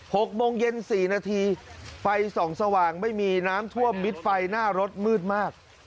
หกโมงเย็นสี่นาทีไฟส่องสว่างไม่มีน้ำท่วมมิดไฟหน้ารถมืดมาก